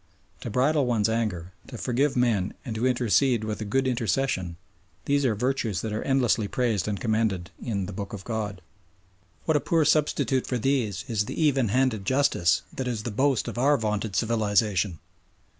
To bridle one's anger, to forgive men and to intercede "with a good intercession" these are virtues that are endlessly praised and commended in "The Book of God." What a poor substitute for these is the "even handed justice" that is the boast of our vaunted civilisation!